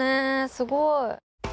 すごい。